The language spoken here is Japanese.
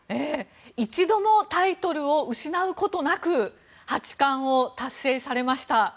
一度もタイトルを失うことなく八冠を達成されました。